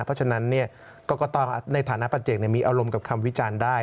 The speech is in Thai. เพราะฉะนั้นกรกตในฐานะประเจกมีอารมณ์กับคำวิจารณ์ได้